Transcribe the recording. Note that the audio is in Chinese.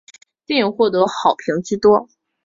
电影获得好评居多。